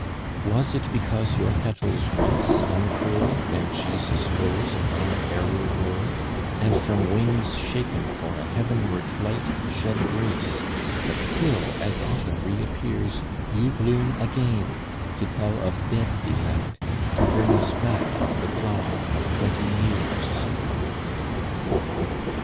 Was it because your petals once uncurled When Jesus rose upon a fairer world, And from wings shaken for a heav'nward flight Shed grace, that still as autumn reappears You bloom again to tell of dead delight, To bring us back the flower of twenty years?